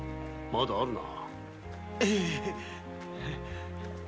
まだあるな。